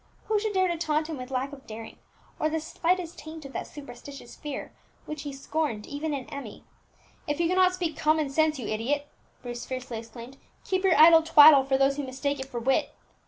Who should dare to taunt him with lack of daring, or the slightest taint of that superstitious fear which he scorned even in Emmie? "If you cannot speak common sense, you idiot," Bruce fiercely exclaimed, "keep your idle twaddle for those who may mistake it for wit!"